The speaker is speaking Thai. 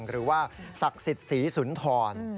หรือว่าศักดิ์ศรีศุนธร